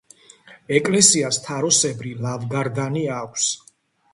ეკლესიას თაროსებრი ლავგარდანი აქვს.